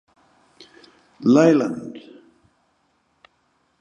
Leland.